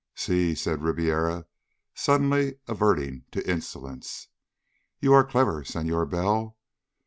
"Si," said Ribiera, suddenly adverting to insolence. "You are clever, Senhor Bell.